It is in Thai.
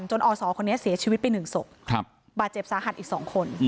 จนออสอด่านคนนี้เสียชีวิตไปหนึ่งศพบาดเจ็บสาหัสอีกสองคน